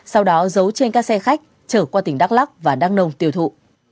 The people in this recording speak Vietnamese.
sau đó giấu trên các xe khách chở qua tỉnh đắk lắk và đắk nông tiêu thụ